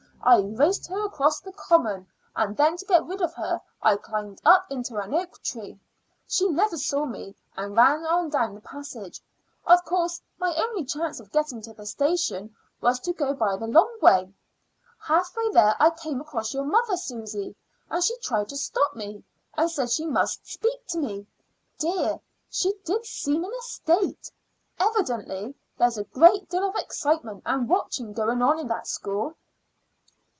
I raced her across the common, and then to get rid of her I climbed up into an oak tree. She never saw me, and ran on down the passage. Of course, my only chance of getting to the station was to go by the long way. Half way there I came across your mother, Susy, and she tried to stop me, and said she must speak to me. Dear, she did seem in a state! Evidently there's a great deal of excitement and watching going on in that school."